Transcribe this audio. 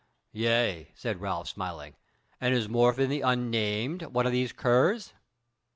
"Yea," said Ralph smiling, "and is Morfinn the Unmanned one of these curs?"